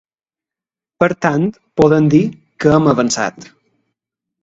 Per tant, podem dir que hem avançat.